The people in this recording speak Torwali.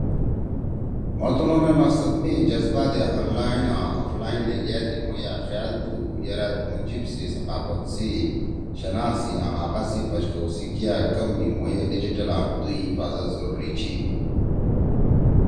مھو تُنُو مے مقصد می جذبہ دے آن لائن آں آف لائن لیگیا تھی، مھوئے أ خیال تُھو یرآ تُنُو جیِب سی، ثقافت سی، شناخت سی آں حقا سی بچ کؤ سی کیا کم می مھوئے ڈیجیٹل آں دُوئی حفاظت ضروری چھی۔